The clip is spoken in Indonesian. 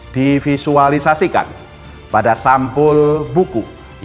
divisualisasikan pada sampul buku